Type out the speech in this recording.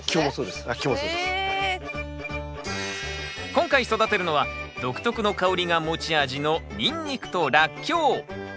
今回育てるのは独特の香りが持ち味のニンニクとラッキョウ。